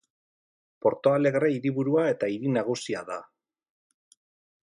Porto Alegre hiriburua eta hiri nagusia da.